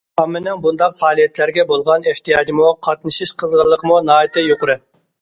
ئاممىنىڭ بۇنداق پائالىيەتلەرگە بولغان ئېھتىياجىمۇ، قاتنىشىش قىزغىنلىقىمۇ ناھايىتى يۇقىرى.